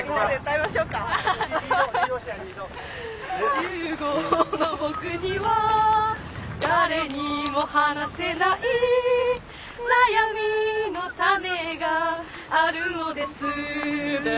「十五の僕には誰にも話せない」「悩みの種があるのです」